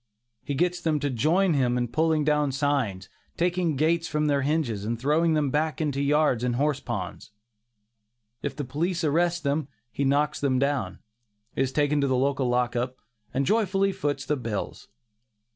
He gets them to join him in pulling down signs, taking gates from their hinges and throwing them into back yards and horse ponds. If the police arrest them, he knocks them down, is taken to the lock up, and joyfully foots the bills.